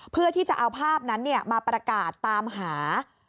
เพื่อที่จะเอาภาพนั้นมาประกาศตามหา